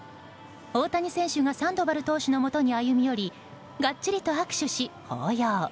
大谷選手がサンドバル投手のもとに歩み寄りがっちりと握手し、抱擁。